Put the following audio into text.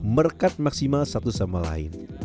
merekat maksimal satu sama lain